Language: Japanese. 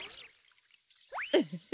ウフフ。